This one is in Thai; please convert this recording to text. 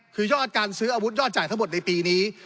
คือยอดการซื้ออาวุธยอดจ่ายทั้งหมดในปีนี้